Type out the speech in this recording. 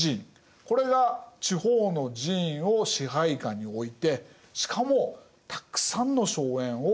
これが地方の寺院を支配下に置いてしかもたくさんの荘園を蓄えたんです。